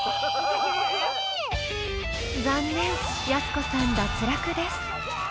［残念やす子さん脱落です］